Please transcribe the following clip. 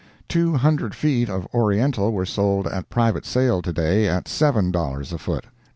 Two hundred feet of Oriental were sold at private sale to day at $7 a foot.